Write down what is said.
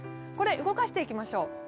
動かしていきましょう。